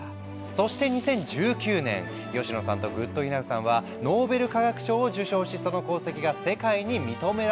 そして２０１９年吉野さんとグッドイナフさんはノーベル化学賞を受賞しその功績が世界に認められることに。